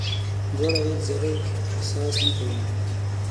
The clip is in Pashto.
لوړ عاید ضرر احساس نه کوي.